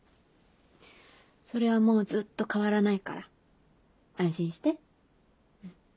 それはもうずっと変わらないから安心して。